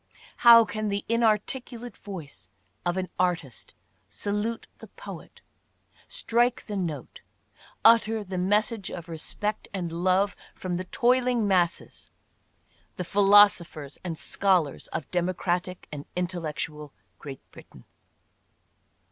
How can the inarticulate voice of an artist salute the poet — strike the note — utter the message of respect and love from the toiling masses, the philosophers and scholars, of democratic and intellectual Great Britain